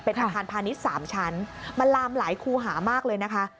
เป็นอาคารพาณิชย์๓ชั้นมันลามหลายคู่หามากเลยนะคะ